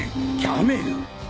キャメル！